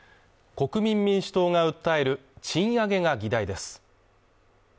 国民民主党が訴える賃上げが議題です。